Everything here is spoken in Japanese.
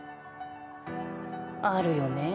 あるよね。